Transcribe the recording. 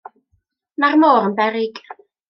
Mae'r môr yn beryg.